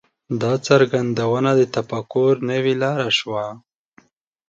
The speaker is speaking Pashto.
دا څرګندونه د تفکر نوې لاره شوه.